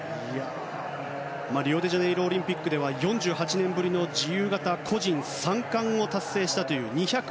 リオデジャネイロオリンピックでは４８年ぶりの自由形で個人３冠を達成しました。